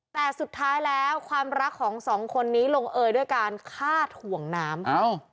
แต่สุดท้ายแล้วความรักของสองคนนี้ลงเอยด้วยการฆ่าถ่วงน้ำ